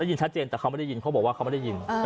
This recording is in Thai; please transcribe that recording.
ยินชัดเจนแต่เขาไม่ได้ยินเขาบอกว่าเขาไม่ได้ยิน